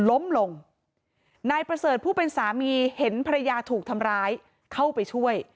ล้มลงนายประเสริฐผู้เป็นสามีเห็นภรรยาถูกทำร้ายเข้าไปช่วย